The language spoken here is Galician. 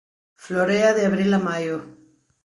Florea de abril a maio.